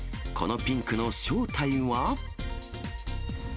このピンクの正体は。